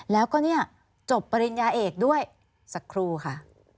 แล้วก็เนี่ยจบปริญญาเอกด้วยสักครู่ค่ะ